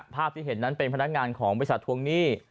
ภาพที่เห็นนั้นเป็นพนักงานของบริษัททวงหนี้